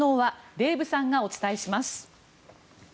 デーブさんがお伝えします。